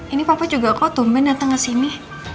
ini papa juga kok tumben datang kesini